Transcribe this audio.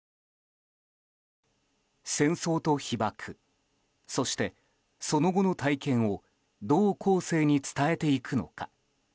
戦争と被爆そして、その後の体験をどう後世に伝えていくのか。